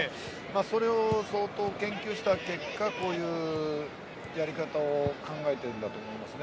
それを相当研究した結果こういうやり方を考えているんだと思いますね。